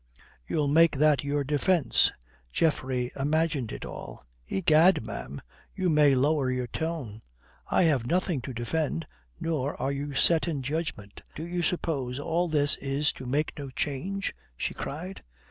You'll make that your defence. Geoffrey imagined it all." "Egad, ma'am, you may lower your tone. I have nothing to defend, nor are you set in judgment." Alison started up. "Do you suppose all this is to make no change?" she cried.